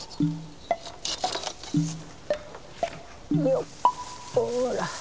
よっこら。